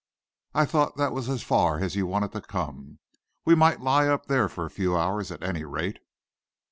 I thought that was as far as you wanted to come. We might lie up there for a few hours, at any rate."